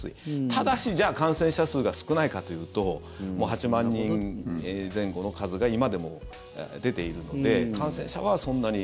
ただし、じゃあ感染者数が少ないかというともう８万人前後の数が今でも出ているので感染者はそんなに。